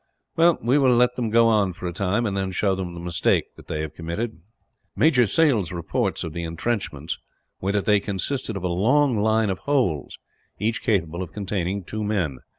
"Well, we will let them go on for a time; and then show them the mistake that they have committed." Major Sale's reports of the entrenchments were that they consisted of a long line of holes, each capable of containing two men.